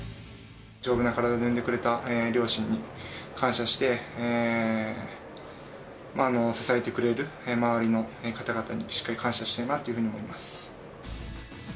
丈夫な体に産んでくれた両親に感謝して、支えてくれる周りの方々にしっかり感謝したいなというふうに思います。